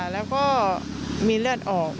แล้วก็มีเลือดออก